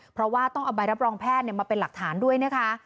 เพราะว่าต้องเอาใบรับรองแพทย์มาเป็นหลักฐานด้วยนะคะ